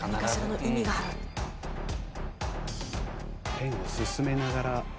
ペンを進めながら。